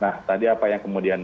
nah tadi apa yang kemudian